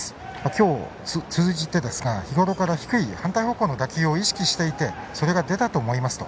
今日を通じてですが日ごろから低い反対方向の打球を意識していてそれが出たと思います。